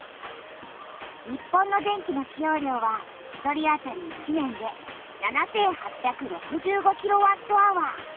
日本の電気の使用量は１人あたり１年で７８６５キロワットアワー。